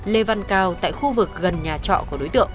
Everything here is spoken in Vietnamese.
lê văn cao tại khu vực gần nhà trọ của đối tượng